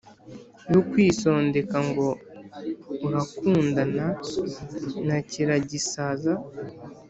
yokwisondeka ngo urakundana na kiragisaza